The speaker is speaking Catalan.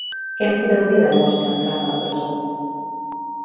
Què en podeu dir, de la vostra entrada a la presó?